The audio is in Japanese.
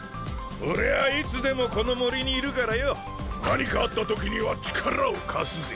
俺はいつでもこの森にいるからよ何かあったときには力を貸すぜ。